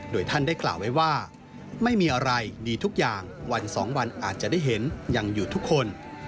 โดยท่านได้กล่าวไว้ว่าไม่มีอะไรดีทุกอย่างวันสองวันอาจจะได้เห็นยังอยู่ทุกคน